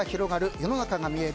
世の中が見える！